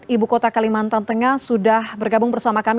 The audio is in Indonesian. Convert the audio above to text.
ibu kota kalimantan tengah sudah bergabung bersama kami